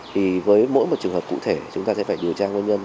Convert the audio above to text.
đó là một trường hợp cụ thể chúng ta sẽ phải điều tra nguyên nhân